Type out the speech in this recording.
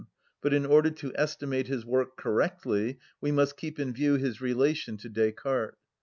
But in order to estimate his work correctly we must keep in view his relation to Descartes.